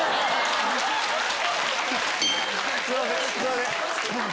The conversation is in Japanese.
すいませんすいません。